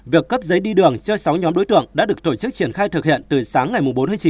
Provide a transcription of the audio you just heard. việc cấp giấy đi đường cho sáu nhóm đối tượng đã được tổ chức triển khai thực hiện từ sáng ngày bốn tháng chín